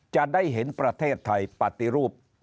จะได้เห็นประเทศไทยปฏิรูป